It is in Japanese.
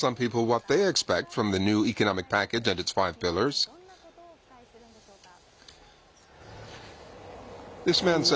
皆さん、どんなことを期待するんでしょうか。